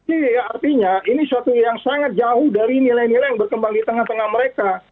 iya artinya ini suatu yang sangat jauh dari nilai nilai yang berkembang di tengah tengah mereka